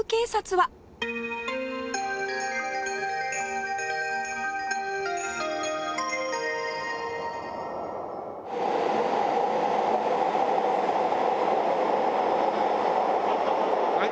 はい。